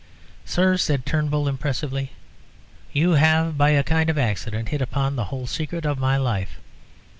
"Sir," said Turnbull, impressively, "you have, by a kind of accident, hit upon the whole secret of my life.